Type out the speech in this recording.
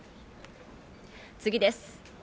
次です。